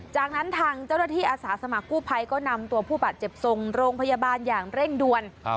จากนั้นทางเจ้าหน้าที่อาสาสมัครกู้ภัยก็นำตัวผู้บาดเจ็บส่งโรงพยาบาลอย่างเร่งด่วน